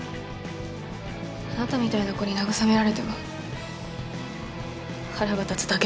あなたみたいな子に慰められても腹が立つだけだから。